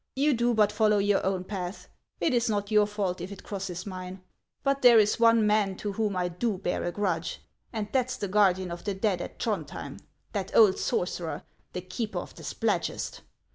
You do but follow your own path ; it is not your fault if it crosses mine. But there is one man to whom I do bear a grudge, and that 's the guardian of the dead at Throndhjem, — that old sorcerer, the keeper of the Spladgest.